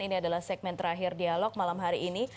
ini adalah segmen terakhir dialog malam hari ini